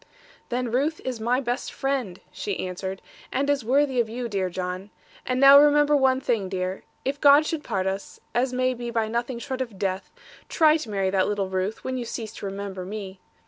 'Then Ruth is my best friend,' she answered, 'and is worthy of you, dear John. And now remember one thing, dear; if God should part us, as may be by nothing short of death, try to marry that little Ruth, when you cease to remember me.